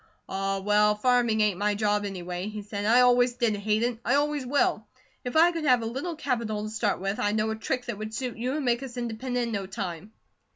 "Ah, well, farming ain't my job, anyway," he said. "I always did hate it. I always will. If I could have a little capital to start with, I know a trick that would suit you, and make us independent in no time."